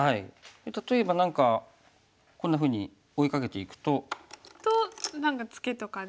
例えば何かこんなふうに追いかけていくと。と何かツケとかで。